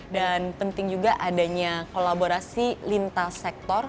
dan penting juga adanya kolaborasi lintas sektor